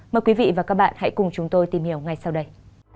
mời quý vị và các bạn hãy cùng chúng tôi tìm hiểu ngay sau đây